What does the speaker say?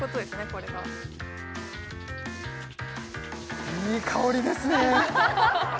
これがいい香りですね！